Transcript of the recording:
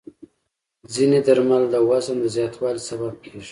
ځینې درمل د وزن د زیاتوالي سبب کېږي.